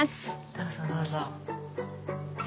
どうぞどうぞ。